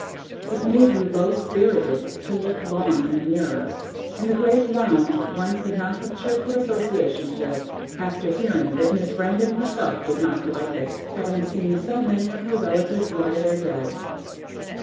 It made you low spirited to look long in the mirror; and the great lounge one could not have cheerful associations with, after hearing that Miss Brandon herself did not like it, having seen so many of her relatives lie there dead.